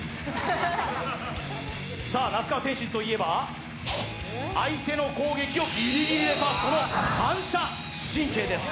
那須川天心といえば相手の攻撃をギリギリでかわす、この反射神経です。